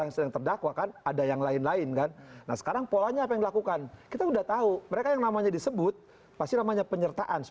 semua anggota dpr yang disebut itu